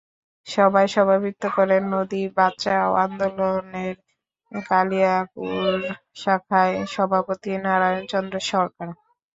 সভায় সভাপতিত্ব করেন নদী বাঁচাও আন্দোলনের কালিয়াকৈর শাখার সভাপতি নারায়ণ চন্দ্র সরকার।